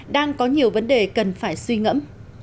đang có nhiều vấn đề cần phải suy ngẫm